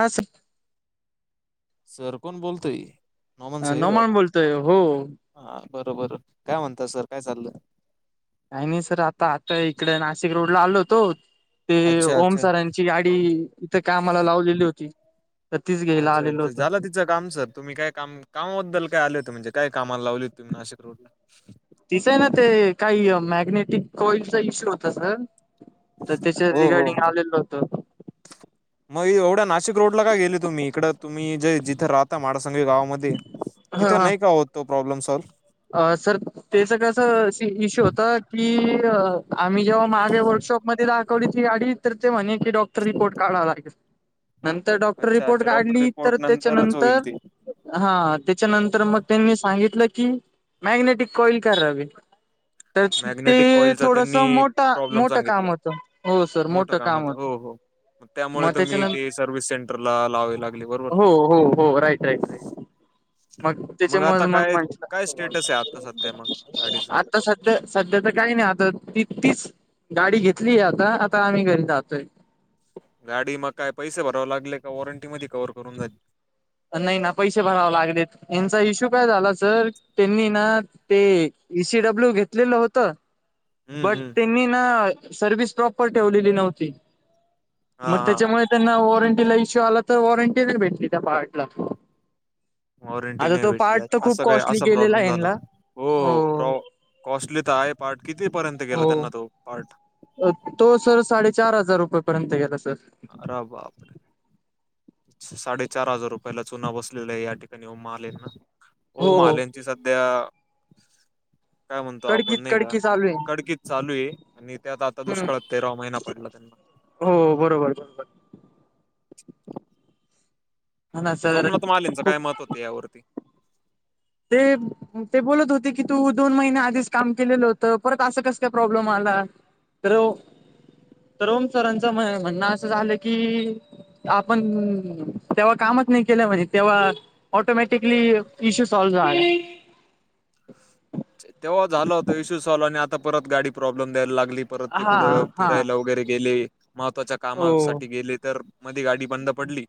आसं.. सर कोण बोलतोय, नमान सर सईद नोमान वाटतं. बोलतोय हो हा बरोबर, काय म्हणतात सर काय चाललं? काही नाही सर आता, आता इकडे नाशिक रोडला आलो होतो. ते अच्छा ओम अच्छा सरांची गाडी इथं कामाला लावलेली होती. सतीश घ्यायला अच्छा आलेलो अच्छा होता. झालं तिचं काम सर, तुम्ही काय काम कामाबद्दल काय आले होते म्हणजे काय कामाला लावले तुम्ही नाशिकरोडला दिसायला ते काही मॅग्नेटिक कॉइलचा इश्यू होता सर तर त्याच्या हो हो रिगार्डिंग आलेल नव्हत. मग एवढ्या नाशिकरोडला का गेले तुम्ही इकड तुम्ही जे जिथे राहता माडसांगवी गावात. मदी हे मतिथ नाही का होत तो प्रॉब्लेम सल्व- अ सर त्याच कसं इशू होता की आम्ही जेव्हा मागे वर्कशॉपमध्ये रा गडी तर उतरते म्हणे, की डॉक्टर रिपोर्ट काढावा लागल. [inaudible] नंतर डॉक्टर अच्छा रिपोर्ट अच्छा डॉक्टर काढली, तर रिपोर्ट नंतरच होईल त्याच्यानंतर ते हा त्याच्यानंतर मग त्यांनी सांगितलं की, नाही नाही ती [unintelligible] करावी. तर ते मॅग्नेटिक कॉइलचा थोडस त्यांनी मोठं प्रॉब्लेम मोठं सांगितला काम होतं, हो सर मोठं काम होतं होत. हो हो त्यामुळे मग त्याच्या तुम्ही ते नंतर सर्व्हिस सेंटरला लावावे लागले बरोबर हो हो हो राईट राईट राईट. मग त्याच्यामुळे आता मग काय काय म्ह- स्टेटस आहे आता सध्या मग गाडीच? आता संध्या, संध्या तर काही नाही आता ती तीच- गाडी घेतलीय आता, आता आम्ही घरी जातोय. गाडी मग काय पैसे भरावे लागले का? वॉरंटी मध्ये कववर करून जाई. नाही ना पैसे भरावे लागलेत. यांचा इश्यू काय झाला सर- त्यांनी ना ते इईसीडब्ल्यू घेतलेलं होतं. हम्म ब हम्म. त्यांनी ना सर्विस प्रॉपर ठेवलेली नव्हती हा मग हा त्यामुळे, त्यांना वॉरंटीला इश्यू आला तर वॉरंटी नाही भेटली त्या पार्ट ला. वॉरंटी आता नाही तो भेटली असं काय असा गेलेला प्रॉब्लेम आहे झाला ह्यांला. का हो प्रॉ- कॉस्टली तर आहे पार्ट किती पर्यंत गला हो. त्यांना तो पार्ट- तो सर साडेचार हजार पर्यंत गेला सर- अर बापरे. साडेचार हजार रुपयाला चुना बसलेला आहे या ठिकाणी उमा आलेंना. ओम हो हो महालेंची सध्या काय म्हणतो आपण कडकीच नाही का. कडकी चालू आहे. कडकीत चालू आहे, आणि त्यात आता हम्म दुष्काळात तेरावा महिना पडला त्यांना- हो बरोबर बरोबर. हा ना सर सोमनाथ महालेंचं खूप, काय मत यावरती. ते ते बोलत होते की तू दोन महिन्या आधीच काम केलेलं होतं, परत असं कस काय प्रॉब्लेम आला. तर, तर ओम सरांचं म्हणणं असं झालं की. आपण तेव्हा कामच नाही केलं म्हणे, तेव्हा ऑटोमॅटिकली इशू- स्वाल झाला. तेव्हा झाल होता इश्यू स्वाल आणि आता परत गाडी- प्रॉब्लेम द्यायला लागली. परत ते हा कुढं हा फिरायला वगैेले- महत्त्वाच्या हो कामासाठी गेले तर, मध्ये गाडी बंद पडली.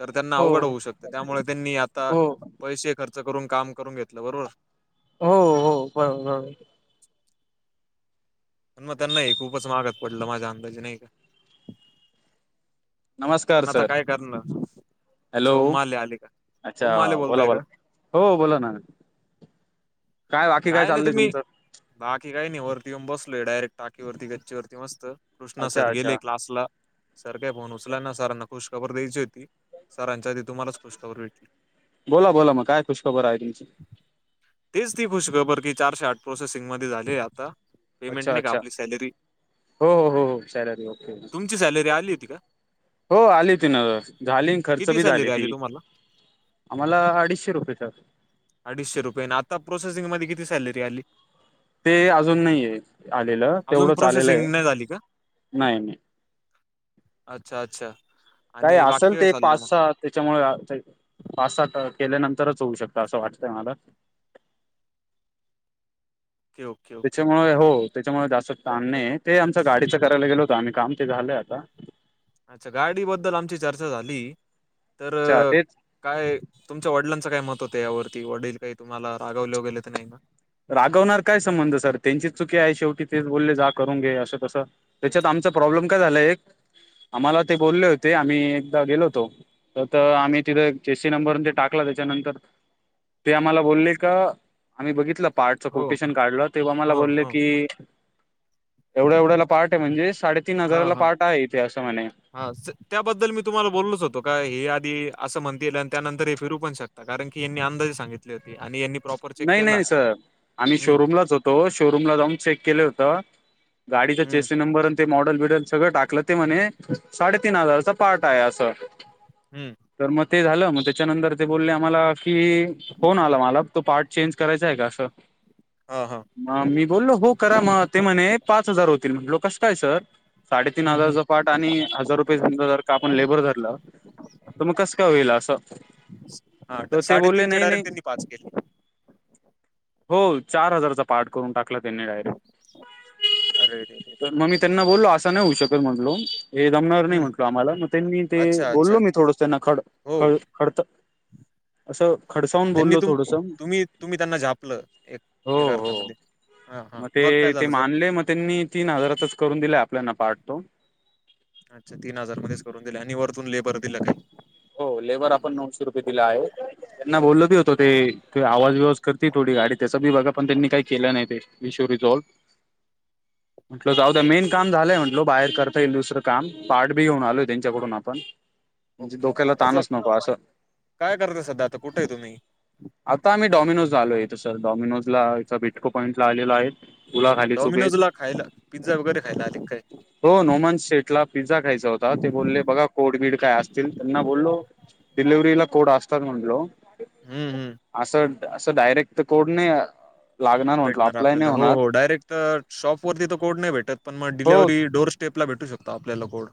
तर त्यांना हो अवघड होऊ शकते, त्यामुळे त्यांनी आता हो पैसे खर्च करून काम करून घेतलं बरोबर. हो हो बरोबर बरोबर. पण मग त्यां नाही खूपच मागत पडलं, माझ्या अंदाजे नाही का? नमस्कार पण आता सर काय करणार अच्छा हॅलो ओम माले आले का ओम अच्छा माले ओला बोलताय का बोला. हो बोला ना बाकी काय नाही चाललंय तुम्ही, तुमचं बाकी काय नाही वरती येऊन बसलोय डायरेक्ट टाकीवररती कच्ची वरती मस्त- कृष्णा सर अच्छा गेले अच्छा क्लासहुन सर काय फोन उचलना ना, सरांना खुशखबर द्यायची होती सरांच्या आधी तुम्हालाच खुशखबर भेटली. बोला बोला मग काय खुशखबर आहे ती. किती खुश खबर की चारशे आठ प्रोसेसिंग मध्ये झाले आता. पेमेंट अच्छा! नाही का अच्छा! आपली सॅलरी हो हो हो हो सॅलरी ओके. तुमची सॅलरी आली होती का हो आली होतीना झाली खर्च किती बी झाली सॅलरी आली ती. तुम्हाला आम्हाला अडीचशे रुपयेचा. अडीचशे रुपये आणि आता प्रोसेसिंग मध्ये किती सॅलरी आली? ते अजून नाहीये आलेलं, अजून तेवढंच आलेलं आहे. प्रोसेसिंग नाही झाली का? नाही नाही‌. अच्छा! अच्छा! आणि बाकी काय चाललं मग. त्याच्यामुळं ते पाच-सात केल्यानंतरच होऊ शकतं असं वाटतंय मला ओके ओके ओके त्याच्यामुळे हो त्याच्यामुळे जास्त ताण नाही ते आमचं गाडीचं करायला गेलो होतं आम्ही काम ते झालंय आता. अच्छा! गाडी बद्दल आमची चर्चा झाली, तर अच्छा तेच काय, तुमच्या वडिलांचं काय मत होतं यावरती वडील काही तुम्हाला रागवले ‌ [unintelligible] तर नाही ना? रागवणार काय संबंध सर त्यांचीच चुकी आहे शेवटी तेच बोलले जा करून घे असं तसं. त्याच्यात आमचा प्रॉब्लेम काय झालाय एक आम्हाला ते बोलले होते आम्ही एकदा गेलो होतो. [unintelligible] आम्ही तिथं चेसी नंबर ते टाकला त्याच्यानंतर ते आम्हाला बोलले का, आम्ही बघितलं. पार्टचं हो, कोटेशन काढलं तेव्हा मला हो, बोलले हो. की एवढ्या-एवढ्याला पार्ट आहे म्हणजे साडेतीन हजाराला पार्ट आहे इथे असं म्हणे. हा त्याबद्दल मी तुम्हाला बोललोच होतो का हे आधी असं म्हणतील आणि त्यानंतर हे फिरू पण शक कारण की यांनी अंदाजे सांगितले होते. आणि यांनी प्रॉपर चेक नाही केला. नाही सर, आम्ही हं, शोरूमलाच होतो शोरूमला जाऊन चेक केले होत. गाडीचा हं, चेसी नंबर ते मॉडेल बिडल सगळं टाकलं ते म्हणे साडेतीन हजाराचा पार्ट आहे असं. हम्म. तर मग ते झालं मग त्याच्यानंतर ते बोलले आम्हाला कि, फोन आला मला [unintelligible] चेंज करायचंय का असं. हा हा. म मी बोललो हो करा मग ते म्हणे पाच हजार होतील, म्हंटलो कसं काय सर. साडेतीन हं, हं. हजारचा पार्ट आणि हजार रुपये समजा जर का आपण लय बरं धरलं. तर मग कसं काय होईल असं, तर ते बोलले नाही नाही? पाच केलं. हो चार हजारचा पार्ट करून टाकला त्यांनी डायरेक्ट, अरे रे रे! तर मग मी त्यांना बोललो असं नाही होऊ शकत म्हंटलो हे जमणार नाही हं. म्हंटलो आम्हाला, मग त्यांनी ते अच्छा, अच्छा. बोललो मी थोडंस त्यांना खड हो. खळून. खडतं असं खडसाहून बोललो थोडसं. तुम्ही-तुम्ही त्यांना झापलं एक, हो एका हो अर्थामध्ये ह हा मग काय झालं सर नाही मग त्यांनी तीन हजारातच करून दिलाय आपल्याना पार्ट तो. अच्छा! तीन हजार मध्येच करून दिले आणि वरतून लेबर दिला काय. हो लेबर आपण नऊशे रुपये दिला आहे, त्यांना बोललो बी होतो ते ते आवाज बिवाज करती थोडी गाडी त्याच बी बघा पण त्यांनी काही केलं नाही ते विशू रिझॉल्व म्हटलं जाऊद्या ओके मेन काम झालंय म्हंटलो बाहेर करता येईल दुसरं काम पार्ट बी घेऊन आलोय त्यांच्याकडून आपण. ओके ह्याला असं ताणच नको असं. काय करता सध्या आता कुठे आहे तुम्ही आता आम्ही डॉमिनोजलो आहे थेट डॉमनोजला इथ बिटको पॉईंट ला आलेलो आहे उला खाली चुबेत. डॉमिनोज ला खायला पिझ्झा वगैरे खायला आले काय? हो नोमन्स सेट ला पिझ्झा खायचा होता ते बोलले बघा कोडबीड काय असतील? त्यांना बोललो डिलिव्हरीला कोड असतात म्हटलो हम्म हम्म असं असं डायरेक्ट कोड नाही लागणार म्हटलं अप्लाय नाही होणार तर शॉप वरती तर कोड नाही भेटत पण मग हो डिलेव्हरे डोर स्टेप ला भेटू शकतो आपल्याला कोड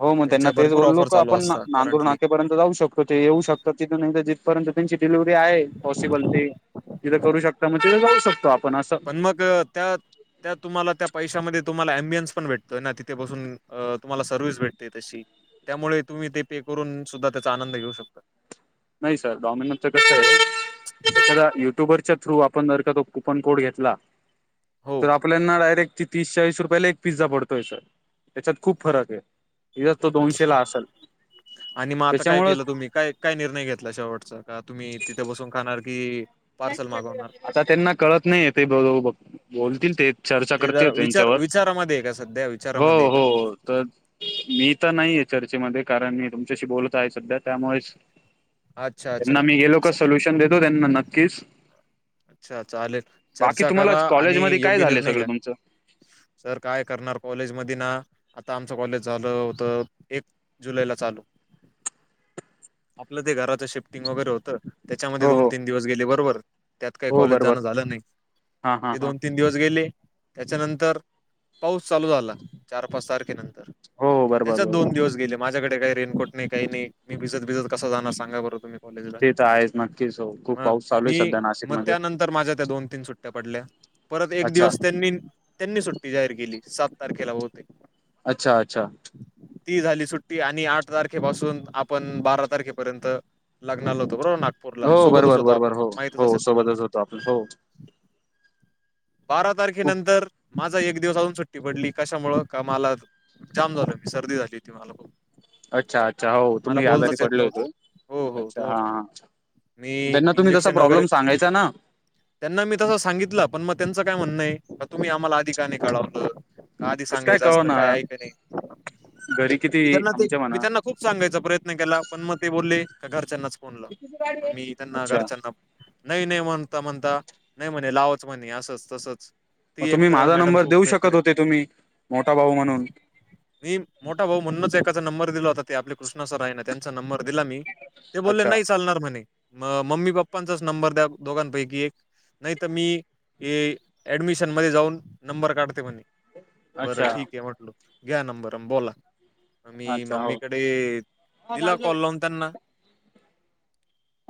हो मग त्यांना त्यांच्या तेच भरपूर बोललो ऑफर का चालू आपण असतात नांगूर करंटली नाकेपर्यंत जाऊ शकतो ते येऊ शकतो तिथून नाही तर जिथपर्यंत त्यांची डिलिव्हीरी आहे पॉसिबल ते तिथं करू शकता मग तथे जाऊ शकतो आपण अस पण मग त्यात त्या तुम्हाला त्या पैशामध्ये तुम्हाला अम्बियन्स पण भेटतो ना तिथे बसून तुम्हाला सर्व्हिस भेटते तशी त्यामुळे तुम्ही ते पे करून सुद्धा त्याचा आनंद घेऊ शकतात नाही सर डॉमिनच कस आहे एखादा युट्युबरच्या थ्रू आपण जर का तो कूपन कोड घेतला हो तर आपल्याना डायरेक्ट तीस चाळीस रुपयाला एक पिझ्झा पडतोय सर त्याच्यात खूप फरक आहे त तो दोनशे ला असेल आणि मग आता काय त्याच्यामुळं केलं तुम्ही काय काय निर्णय घेतला शेवटचा का तुम्ही तिथे बसून खाणार की पार्सल मागवणार आता त्यांना कळत नाही ते बोलतील ते चर्चा ते करते जरा विचार त्यांच्यावर विचारामध्ये आहे का सध्या हो विचारामध्ये आहे का हो तर मी तर नाही आहे चर्चेमध्ये कारण मी तुमच्याशी बोलत आहे सध्या त्यामुळेच अच्छा अच्छा त्यांना मी गेलो का च- सोल्युशन देतो त्यांना नक्कीच अच्छा चालेल बाकी चर्चा तुम्हाला करा आणि कॉलेजमध्ये काय योग्य झाले निर्णय सगळं घ्या तुमचं सर काय करणार कॉलेज मधे ना आता आमचं कॉलेज झालं होत एक जुलैला चालू आपलं ते घराच शिफ्टिंग वगैरे होत त्याच्यामध्ये हो दोन हो तीन दिवस गेले बरोबर त्यात काही हो कॉलेज बरोबर जाणं झालं नाही हा हा ते हा दोन तीन दिवस गेले त्याच्यानंतर पाऊस चालू झाला चार पाच तारखेनंतर हो हो बरोबर त्याच्यात बरोबर दोन दिवस गेले माझ्याकडे काही रेनकोट नाही काही नाही मी भिजत भिजत कस जाणार सांगा बरं तुम्ही कॉलेजला ते तर आहेच नक्कीच खूप पाऊस चालू आहे सध्या नाशिकमध्ये नंतर माझ्या त्या दोन तीन सुट्ट्या पडल्या परत एक अच्छा दिवस त्यांनी त्यांनी सुट्टी जाहीर केली सात तारखेला बहुतेक अच्छा अच्छा! ती झाली सुट्टी आणि आठ तारखे पाासून आपण बारा तारखेपर्यंत लग्नाला होतो बरोबर नागपूरला हो सोबतच बरोबर होतो बरोबर आपण हो माहिती हो जसे तुम्हाला.. सोबतच होतो आपण हो बारा खूप तारखेनंतर माझा एक दिवस अजून सुट्ट ट्टी पडली कशामुळं का मला जाम झालं सर्दी झाली हो ती मला अच्छा अच्छा हो मला तुम्ही आजारी बोलताच येत पडले नव्हतं. होते हो हो अच्छा तो हा हा मी त्यांना तुम्ही तसा इंजेक्शन वगैरे प्रॉब्लेम सांगायचा ना त्यांना मी तसं सांगितलं पण मग त्यांचं काय म्हणणं आहे नाही का तुम्ही आम्हाला आधिक का नाही कळवळत.. का आधी कसं सांगायचं असत काय कळवणार आहे की नाही घरी मी किती त्यांना ते आमच्या मी म्हणा त्यांना खूप सांगायचा प्रयत्न केला पण मग ते बोलले का घरच्यांनाच फोनला मग मी त्यांना अच्छा घरच्यांना नाही नाही म्हणता म्हणता नाही म्हणे लावच म्हणे असंच तसंच ती मग एक तुम्ही तर माझा मॅडम नंबर खूप देऊ बेकार आहे. शकत होते तुम्ही मोठा भाऊ म्हणून मी मोठा भाऊ म्हणूनच एकाचा नंबर दिला होता ते आपले कृष्णा सरायनं त्यांचा नंबर दिला मी. ते बोलले अच्छा नई चालणार म्हणे म मम्मी पप्पांचाच नंबर द्या दोघांपैकी एक नाई त मी ए ऍडमिशन मध्ये जाऊन नंबर काढते म्हणे. बरं अच्छा ठीके म्हटलं घ्या नंबर अन् बोला. म मी अच्छा हो मम्मीकडे दिला कॉल हा लावून त्यांना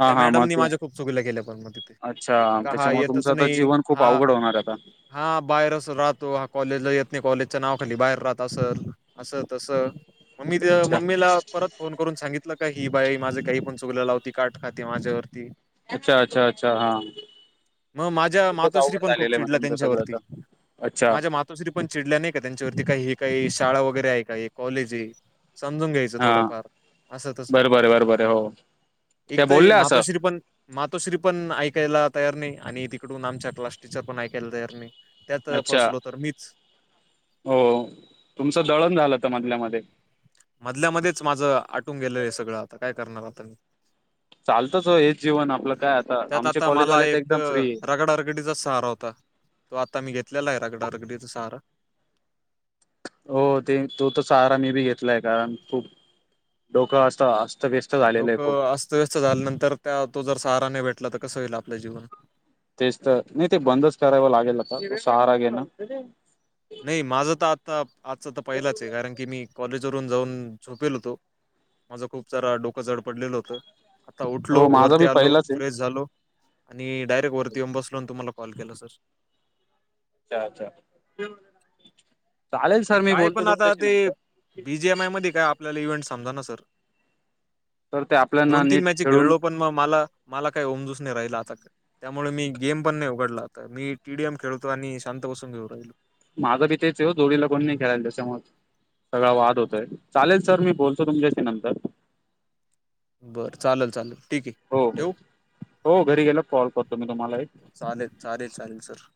हा त्या हा मॅडमनी [unintelligible] माझ्या खूप चुकीला केल्या पण मग तिथे अच्छा का हा त्याच्यामुळं तुमचं येतच आता नाही जीवन खूप हा अवघड होणारे आता हा बाहेर असं राहतो हा कॉलेजला येत नी कॉलेजच्या नावाखाली बाहेर राहत असंल असं तसं म मी ते अच्छा मम्मीला परत फोन करून सांगितलं का ही बाई माझे काई पण चुगल्या लावती काट खाती माझ्यावरती. अच्छा अच्छा अच्छा हा. म माझ्या खूपच मातोश्री अवघड पण खूप झालेलं आहे मग चिडल्या तुमचं सगळं त्यांच्यावरती तर अच्छा माझ्या मा- -तोस्री पण चिडल्या नाई का त्यांच्यावरती का हे काई शाळा वगैरे आहे का हे कॉलेजे. समजून घ्यायचं हा थोडंफार असं तसं, बरं बरं बरं बरं हो एक त्या त ए बोलल्या असं मातोश्री पण मातोश्री पण ऐकायला तयार नई आणि तिकडून आमच्या क्लास टीचर पण ऐकायला तयार नई. त्यात अच्छा फसलो तर मीच. हो तुमचं दळण झालं त मधल्या मध्ये. मधल्यामध्येच माझं आटून गेलंय सगळं आता काय करणार आता म चालतंच हो हेच जीवन आपलं काय आता आमचे कॉलेजवाले त एकदम फ्री ए. रगडीचा सहारा होता, तो आता मी घेतलेला आहे रगडा रगडीचा सहारा. हो ते तो त सहारा मी बी घेतलाय कारण खूप डोकं अस्तं असत व्यस्त डोकं अस्तव्यस्त झाल्यानंतर त्या तो जर सहारा नाय भेटला त कसं होईल आपलं जीवन. तेच त नई ते बंदच करावं लागेल आता तो सहारा घेणं. नई माझं त आत्ता आजचं त पईलाचे कारण की मी कॉलेजवरून जाऊन झोपेल होतो. माझा खूप सारा डोकं जड पडलेलं होतं, आता उठलो, हो माझा वरती बी आलो, पहिलाच आहे फ्रेश झालो. अणी डायरेक्ट वरती येऊन बसलो अन तुम्हाला कॉल केला सर. अच्छा अच्छा, चालेल सर मी बोलतो तुमच्याशी नंतर. बी जी एम आय मधी काय आपल्याला इव्हेंट समजंना सर. तर ते आपल्याना दोन तीन नीट मॅची खेळून खेळलो पण म मला, मला काही उमजूच नई राईलं आता त्यामुळं मी गेम पण नई उघडला आता मी टी डी एम खेळतो आणि शांत बसून घेऊ राईलो. माझं बी तेचे ओ जोडीला कोण नई खेळायला त्याच्यामुळं सगळा वाद होतोय चालेल सर मी बोलतो तुमच्याशी नंतर. बरं चालंल चालंल ठीके. हो हो हो घरी गेल्याव कॉल करतो मी तुम्हाला एक चालेल चालेल सर.